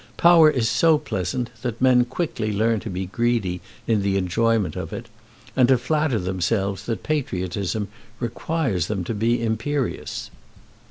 Power is so pleasant that men quickly learn to be greedy in the enjoyment of it, and to flatter themselves that patriotism requires them to be imperious.